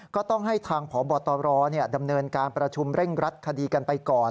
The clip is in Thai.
ก็ต้องให้ทางพบตรดำเนินการประชุมเร่งรัดคดีกันไปก่อน